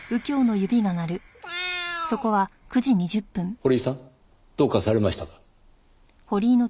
堀井さんどうかされましたか？